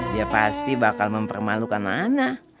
dia pasti bakal mempermalukan anak